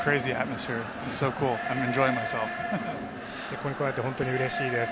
ここに来られて本当にうれしいです。